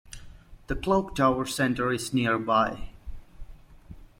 The Clocktower Centre is nearby.